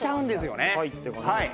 はい。